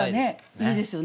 いいですよね